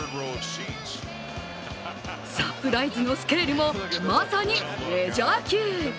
サプライズのスケールもまさにメジャー級。